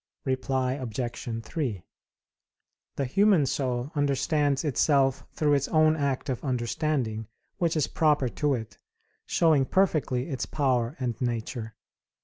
Reply Obj. 3: The human soul understands itself through its own act of understanding, which is proper to it, showing perfectly its power and nature.